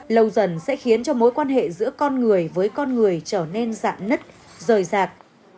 lâu dần sẽ khiến cho mối quan hệ giữa con người với con người trở nên dạn nứt rời rạc